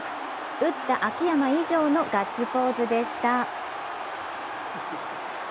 打った秋山以上のガッツポーズでした。